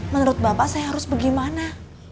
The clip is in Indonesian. menurut bapak saya harus bagaimana